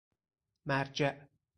مرجع